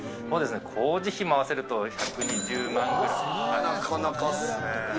工事費も合わせると１２０万ぐらい。